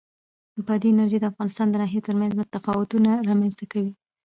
بادي انرژي د افغانستان د ناحیو ترمنځ تفاوتونه رامنځ ته کوي.